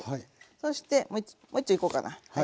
そしてもういっちょいこうかな。